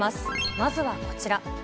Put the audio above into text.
まずはこちら。